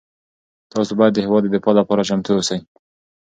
تاسو باید د هېواد د دفاع لپاره چمتو اوسئ.